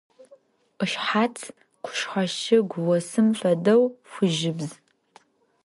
Ышъхьац къушъхьэ шыгу осым фэдэу фыжьыбз.